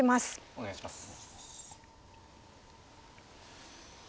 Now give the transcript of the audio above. お願いします。